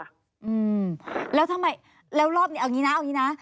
อืมแล้วทำไมแล้วรอบนี้เอางี้นะเอางี้นะ